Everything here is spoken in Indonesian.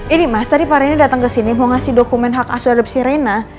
ini mas tadi pak rini dateng kesini mau ngasih dokumen hak asuradep sirena